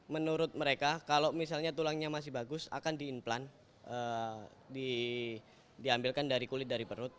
menurut mereka kalau misalnya tulangnya masih bagus akan diimplant diambilkan dari kulit dari perut